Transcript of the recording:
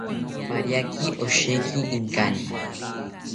Pariaki osheki inkani